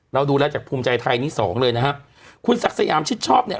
เราดูแล้วจากภูมิใจไทยนี่สองเลยนะฮะคุณศักดิ์สยามชิดชอบเนี่ย